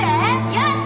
よし！